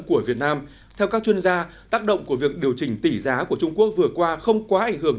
của việt nam theo các chuyên gia tác động của việc điều chỉnh tỷ giá của trung quốc vừa qua không quá ảnh hưởng